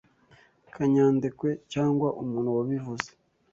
Kanyandekwe cyangwa umuntu wabivuze.